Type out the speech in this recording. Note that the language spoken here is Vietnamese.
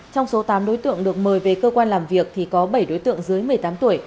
trong số tám đối tượng được mời về cơ quan làm việc thì có bảy đối tượng dưới một mươi tám tuổi